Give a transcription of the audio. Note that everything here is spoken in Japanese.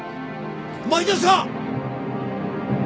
前田さん！